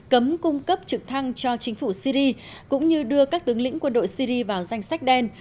cấm cung cấp trực thăng cho chính phủ syri cũng như đưa các tướng lĩnh quân đội syri vào danh sách đen